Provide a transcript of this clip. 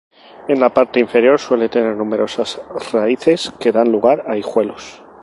En la parte inferior suele tener numerosas raíces que dan lugar a hijuelos.